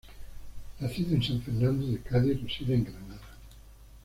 Nacido en San Fernando de Cádiz reside en Granada.